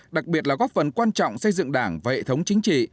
đặc biệt là góp phần quan trọng xây dựng đảng và hệ thống chính trị